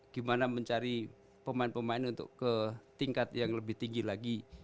gimana mencari pemain pemain untuk ke tingkat yang lebih tinggi lagi